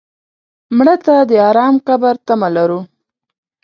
مړه ته د ارام قبر تمه لرو